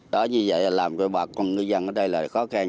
đó như vậy làm cho bà con ngư dân ở đây là khó khăn